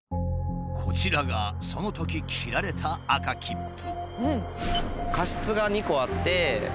こちらがそのとき切られた赤切符。